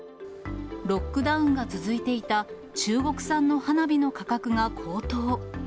ロックダウンが続いていた中国産の花火の価格が高騰。